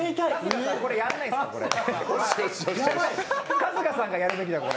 春日さんがやるべきだよ、これ。